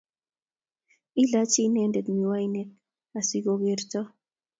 Ilachi inendet miwaniek asikukerto